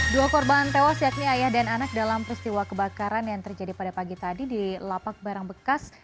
dua korban tewas yakni ayah dan anak dalam peristiwa kebakaran yang terjadi pada pagi tadi di lapak barang bekas